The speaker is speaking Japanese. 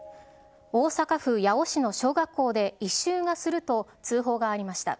大阪府八尾市の小学校で異臭がすると通報がありました。